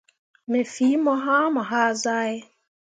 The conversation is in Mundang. Me fii mo hãã mo hazahe.